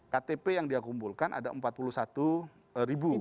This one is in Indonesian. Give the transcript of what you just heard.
ktp yang dia kumpulkan ada empat puluh satu ribu